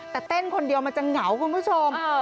แต่เต้นคนเดียวมันจะเหงาคุณผู้ชม